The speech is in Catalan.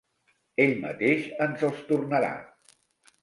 Ell mateix ens els tornarà.